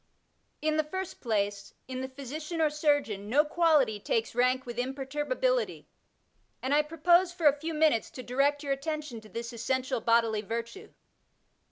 In the first place, in the physician or surgeon no quality takes rank with imperturbability, and I propose for a few minutes to direct your attention to this essential bodily virtue.